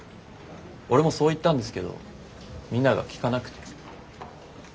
俺もそう言ったんですけどみんなが聞かなくて。